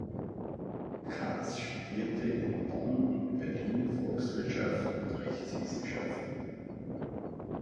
Kahrs studierte in Bonn und Berlin Volkswirtschaft und Rechtswissenschaften.